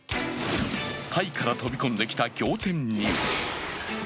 タイから飛び込んできた仰天ニュース。